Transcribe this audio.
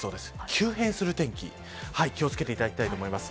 急変する天気に気を付けていただきたいと思います。